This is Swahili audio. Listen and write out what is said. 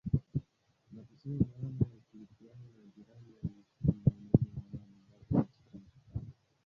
Na kusema maana ya ushirikiano na jirani aiyeheshimu maneno na ahadi zake katika mikutano kadhaa ambayo imefanyika.